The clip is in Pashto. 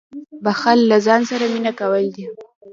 • بښل له ځان سره مینه کول دي.